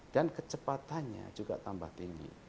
dan kecepatannya juga tambah tinggi